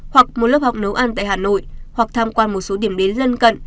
hoặc một lớp học nấu ăn tại hà nội hoặc tham quan một số điểm đến lân cận